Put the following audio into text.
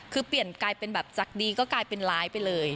คือเปลี่ยนกลายเป็นแบบจากดีก็กลายเป็นร้ายไปเลย